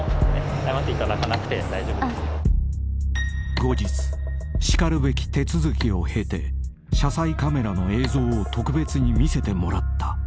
［後日しかるべき手続きを経て車載カメラの映像を特別に見せてもらった］